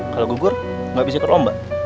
kalau gugur gak bisa ke lomba